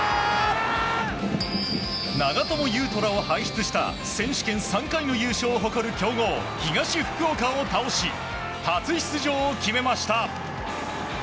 長友佑都らを輩出した選手権優勝３回を誇る強豪東福岡を倒し初出場を決めました。